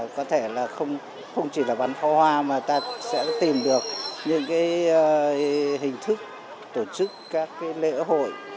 có thể là không chỉ là bắn pháo hoa mà ta sẽ tìm được những cái hình thức tổ chức các cái lễ hội